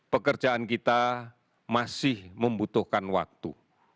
pekerjaan kita masih membutuhkan waktu